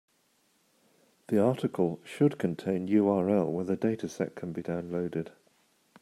The article should contain URL where the dataset can be downloaded.